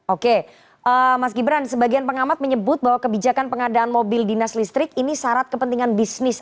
oke mas gibran sebagian pengamat menyebut bahwa kebijakan pengadaan mobil dinas listrik ini syarat kepentingan bisnis